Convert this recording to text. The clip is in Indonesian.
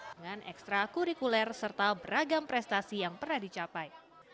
dengan ekstra kurikuler serta beragam prestasi yang pernah dicapai